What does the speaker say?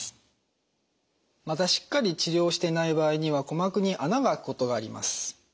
またしっかり治療していない場合には鼓膜に穴が開くことがあります。